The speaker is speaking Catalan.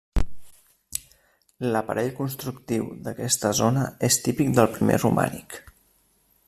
L'aparell constructiu d'aquesta zona és típic del primer romànic.